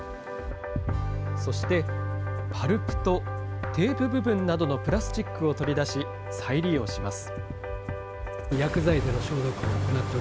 そして、パルプと、テープ部分などのプラスチックを取り出し、再利用します。